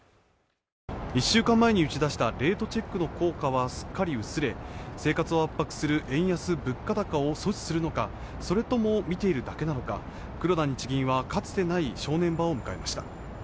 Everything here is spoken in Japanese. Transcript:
１週間前に打ち出したレートチェックの効果はすっかり薄れ生活を圧迫する円安物価高を阻止するのかそれとも見ているだけなのか黒田日銀はかつてない正念場を迎えました